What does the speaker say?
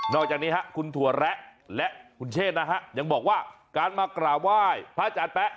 อกจากนี้คุณถั่วแระและคุณเชษนะฮะยังบอกว่าการมากราบไหว้พระอาจารย์แป๊ะ